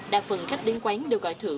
đa phần khách đến quán đều gọi thử